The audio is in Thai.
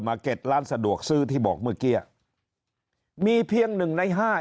เก็ดร้านสะดวกซื้อที่บอกเมื่อกี้มีเพียงหนึ่งในห้า